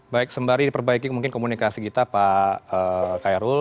baik sembari perbaiki mungkin komunikasi kita pak khairul